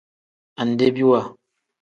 Andebiwa.